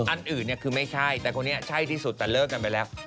อันอื่นเนี่ยคือไม่ใช่แต่คนนี้ใช่ที่สุดแต่เลิกกันไปแล้ว